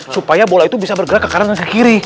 supaya bola itu bisa bergerak ke kanan dan ke kiri